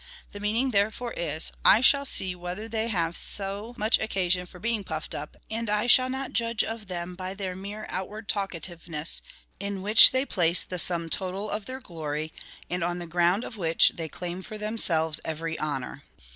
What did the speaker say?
^ The meaning, therefore, is : "I shall see whether they have so much occasion for being puffed up ; and I shall not judge of them by their mere outward talkativeness, in which they place the sum totaP of their glory, and on the ground of which they claim for themselves every honour.